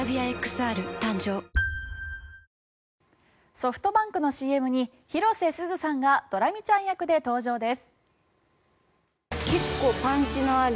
ソフトバンクのＣＭに広瀬すずさんがドラミちゃん役で登場です。